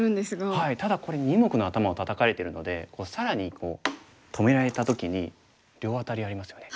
ただこれ二目の頭をタタかれてるので更に止められた時に両アタリありますよね。